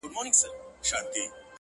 o ددې ښايستې نړۍ بدرنگه خلگ ـ